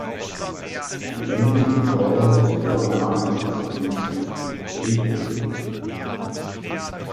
Die männliche Form des Vornamens ist Friedrich.